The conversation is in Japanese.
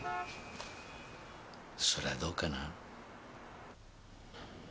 それはどうかな。